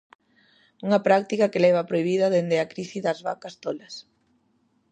Unha práctica que leva prohibida dende a crise das vacas tolas.